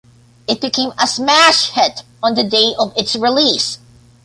It became a smash hit on the day of its release.